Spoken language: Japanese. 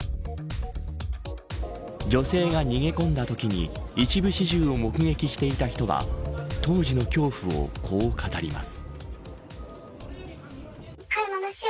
女性が逃げ込んだときに一部始終を目撃していた人は当時の恐怖をこう語ります。